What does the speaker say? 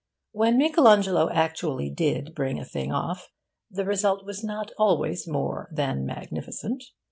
When Michael Angelo actually did bring a thing off, the result was not always more than magnificent.